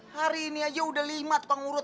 hari ini aja udah lima tukang urut